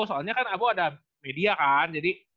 soalnya kan abo ada media kan jadi